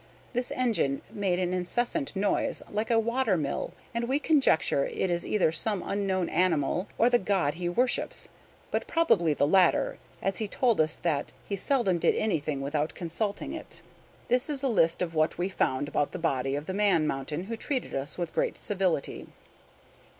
This engine made an incessant noise, like a water mill, and we conjecture it is either some unknown animal, or the god he worships, but probably the latter, for he told us that he seldom did anything without consulting it. "This is a list of what we found about the body of the Man Mountain, who treated us with great civility."